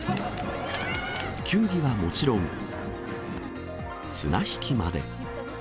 球技はもちろん、綱引きまで。